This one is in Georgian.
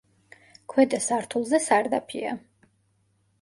ქვედა სართულზე სარდაფია.